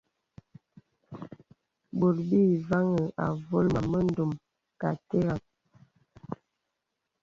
Bòt bì vàŋhī āvōl màm mə ndòm kà àterəŋ.